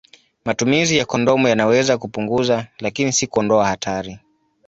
Matumizi ya kondomu yanaweza kupunguza, lakini si kuondoa hatari.